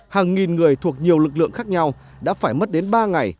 hàng nghìn người thuộc nhiều lực lượng khác nhau đã phải mất đến ba ngày